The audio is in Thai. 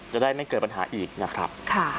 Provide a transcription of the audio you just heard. จะได้ไม่เกิดปัญหาอีกนะครับ